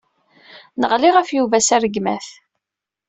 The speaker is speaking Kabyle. Neɣli ɣef Yuba s rregmat.